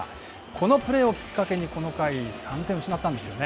このプレーをきっかけにこの回、３点を失ったんですよね。